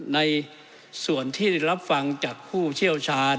ในส่วนที่ได้รับฟังจากผู้เชี่ยวชาญ